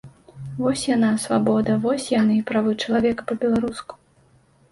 Вось яна, свабода, вось яны, правы чалавека па-беларуску!